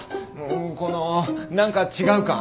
この何か違う感。